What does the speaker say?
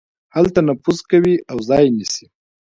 هلته نفوذ کوي او ځای نيسي.